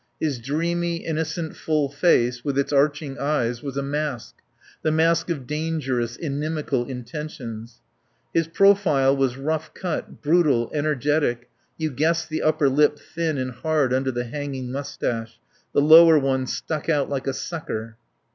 His dreamy, innocent full face with its arching eyes was a mask, the mask of dangerous, inimical intentions; his profile was rough cut, brutal, energetic, you guessed the upper lip thin and hard under the hanging moustache; the lower one stuck out like a sucker.